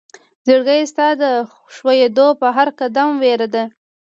زړګيه ستا د خوئيدو په هر قدم وئيره ده